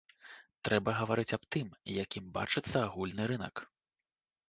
Трэба гаварыць аб тым, якім бачыцца агульны рынак.